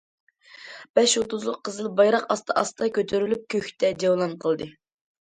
بەش يۇلتۇزلۇق قىزىل بايراق ئاستا- ئاستا كۆتۈرۈلۈپ، كۆكتە جەۋلان قىلدى.